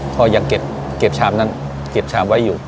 พ่อยังเก็บชามนั้นเก็บชามไว้อยู่